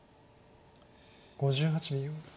５８秒。